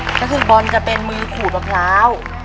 ก็คือบอลจะเป็นมือขูดมะพร้าว